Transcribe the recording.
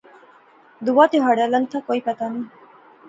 دوہا تہاڑا لنگتھا کوئی پتہ نیں